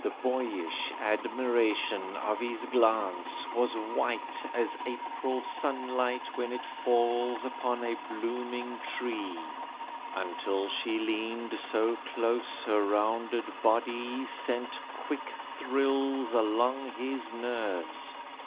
The boyish admiration of his glance Was white as April sunlight when it falls Upon a blooming tree, until she leaned So close her rounded body sent quick thrills Along his nerves.